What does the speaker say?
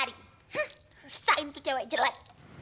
rusak ini tuh cewek jelek